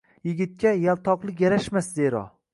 Yigitga yaltoqlik yarashmas zero.